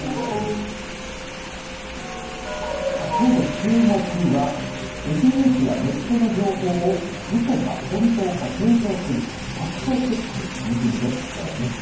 さあ、きょうのチューモク！はＳＮＳやネットの情報をうそか本当か検証する、ファクトチェックについてお伝えします。